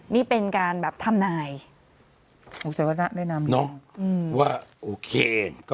นี่เป็นการแบบทำหน่าย